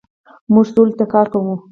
موږ سولې ته کار کوو.